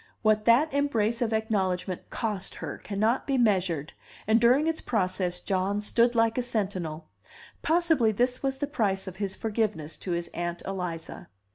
What that embrace of acknowledgment cost her cannot be measured, and during its process John stood like a sentinel. Possibly this was the price of his forgiveness to his Aunt Eliza.